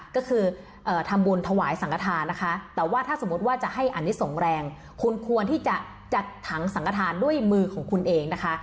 ก็คือทำบุญถวายสังกฐานนะคะแต่ว่าถ้าสมมุติว่าจะให้อันนี้ส่งแรงคุณควรที่จะจัดถังสังกระทานด้วยมือของคุณเองนะคะ